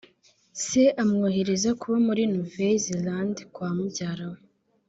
se amwohereza kuba muri Nouvelle Zelande kwa mubyara we